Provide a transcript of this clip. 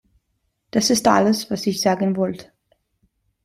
Das ist alles, was ich sagen wollte.